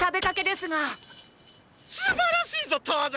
すばらしいぞトド！